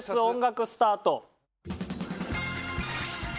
音楽スタート。